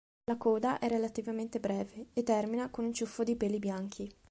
La coda è relativamente breve e termina con un ciuffo di peli bianchi.